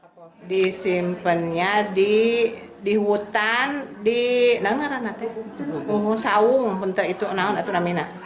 kondisinya waktu itu dibungkus apa